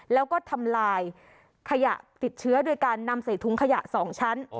แล้วก็ทำลายขยะติดเชื้อโดยการนำใส่ถุงขยะ๒ชั้น